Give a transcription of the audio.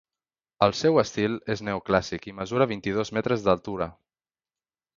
El seu estil és neoclàssic i mesura vint-i-dos metres d’altura.